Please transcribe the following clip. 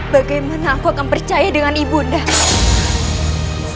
bagaimana aku akan percaya dengan ibu nara